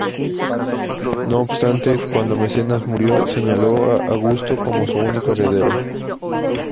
No obstante, cuando Mecenas murió, señaló a Augusto como su único heredero.